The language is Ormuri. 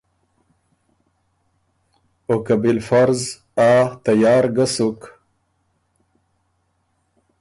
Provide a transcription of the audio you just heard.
او که بالفرض آ تیار ګۀ سُک۔